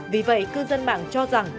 vì vậy cư dân mạng cho rằng